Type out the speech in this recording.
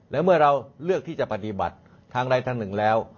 แล้วเมื่อเราเลือกที่จะปฏิบัติทางใดทางหนึ่งแล้ว